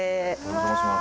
お邪魔します。